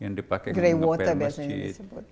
gray water biasanya disebut